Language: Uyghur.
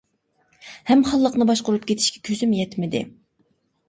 ھەم خانلىقنى باشقۇرۇپ كېتىشكە كۆزۈم يەتمىدى.